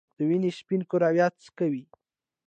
د وینې سپین کرویات څه کوي؟